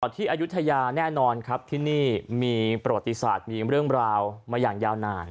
ที่อายุทยาแน่นอนครับที่นี่มีประวัติศาสตร์มีเรื่องราวมาอย่างยาวนาน